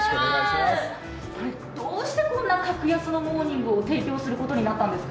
どうしてこんな格安のモーニングを提供することになったんですか？